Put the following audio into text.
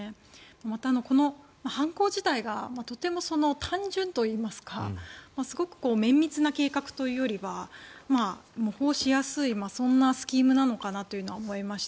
また、この犯行自体がとても単純といいますかすごく綿密な計画というよりは模倣しやすいそんなスキームなのかなというのは思いました。